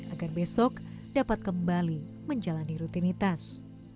agar besok dapat kembali menjalani rutinitas